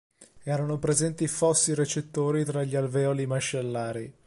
Erano presenti fossi recettori tra gli alveoli mascellari.